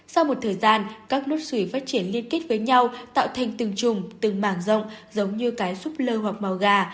sau một thời gian các nốt suối phát triển liên kết với nhau tạo thành từng trùng từng màng rông giống như cái súp lơ hoặc màu gà